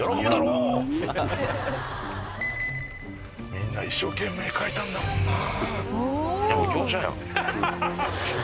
みんな一生懸命描いたんだもんなぁ。